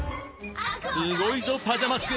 すごいぞパジャマスク！